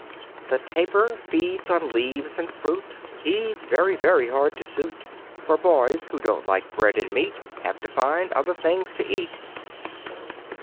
The tapir feeds on leaves and fruit He's very, very hard to suit, For boys who don't like bread and meat Have to find other things to eat.